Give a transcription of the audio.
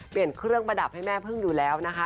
เปลี่ยนเครื่องประดับให้แม่เพิ่งอยู่แล้วนะคะ